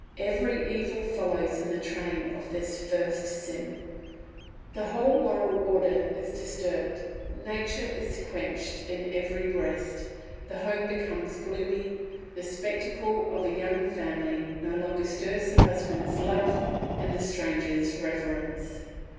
Every evil follows in the train of this first sin; the whole moral order is disturbed, nature is quenched in every breast, the home becomes gloomy, the spectacle of a young family no longer stirs the husband's love and the stranger's reverence.